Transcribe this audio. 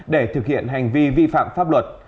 để thực hiện hành vi vi phạm pháp luật